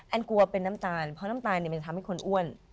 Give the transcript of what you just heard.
กลัวเป็นน้ำตาลเพราะน้ำตาลมันจะทำให้คนอ้วน